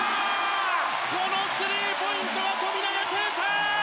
このスリーポイントが富永啓生！